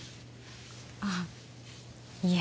あっいえ